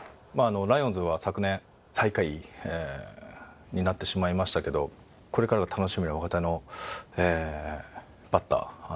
まあライオンズは昨年最下位になってしまいましたけどこれからが楽しみな若手のバッター。